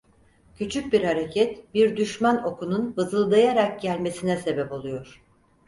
Küçük bir hareket bir düşman okunun vızıldayarak gelmesine sebep oluyor.